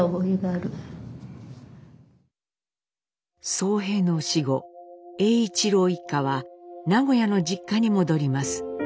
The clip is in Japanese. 荘平の死後栄一郎一家は名古屋の実家に戻ります。